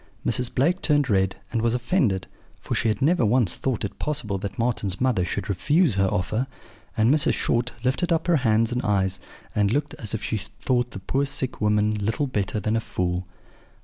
"Mrs. Blake turned red, and was offended; for she had never once thought it possible that Marten's mother should refuse her offer; and Mrs. Short lifted up her hands and eyes, and looked as if she thought the poor sick woman little better than a fool.